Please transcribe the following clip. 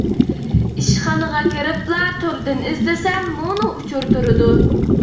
ئىشخانىغا كىرىپلا توردىن ئىزدىسەم مۇنۇ ئۇچۇر تۇرىدۇ.